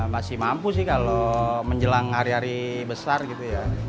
masih mampu sih kalau menjelang hari hari besar gitu ya